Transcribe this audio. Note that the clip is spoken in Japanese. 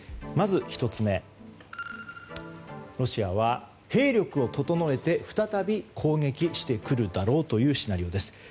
まず１つ目ロシアは兵力を整えて再び攻撃してくるだろうというシナリオです。